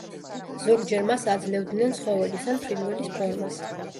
ზოგჯერ მას აძლევდნენ ცხოველის ან ფრინველის ფორმას.